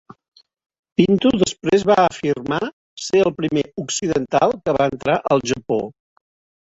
Pinto després va afirmar ser el primer occidental que va entrar al Japó.